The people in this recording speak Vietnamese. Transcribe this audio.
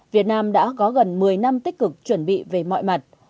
việt nam đã có gần một mươi năm tích cực chuẩn bị về mọi mặt